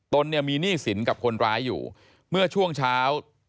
ตนเนี่ยมีหนี้สินกับคนร้ายอยู่เมื่อช่วงเช้า